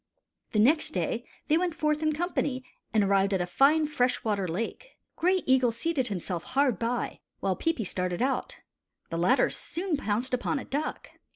The next day they went forth in company and arrived at a fine fresh water lake. Gray Eagle seated himself hard by, while Peepi started out. The latter soon pounced upon a duck.